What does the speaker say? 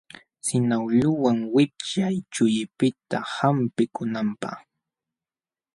Sinawluwan wipyay chullipiqta hampikunanpaq.